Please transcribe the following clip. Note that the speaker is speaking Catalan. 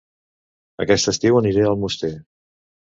Aquest estiu aniré a Almoster